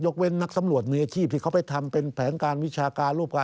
เว้นนักสำรวจมืออาชีพที่เขาไปทำเป็นแผนการวิชาการรูปการ